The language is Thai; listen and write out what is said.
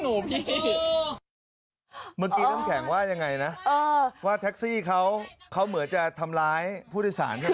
เมื่อกี้น้ำแข็งว่ายังไงนะว่าแท็กซี่เขาเหมือนจะทำร้ายผู้โดยสารใช่ไหม